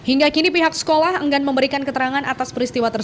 hingga kini pihak sekolah enggan memberikan keterangan atas peristiwa tersebut